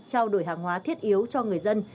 trao đổi hàng hóa thiết yếu cho người dân